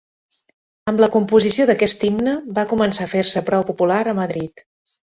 Amb la composició d'aquest himne va començar a fer-se prou popular a Madrid.